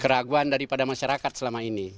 keraguan daripada masyarakat selama ini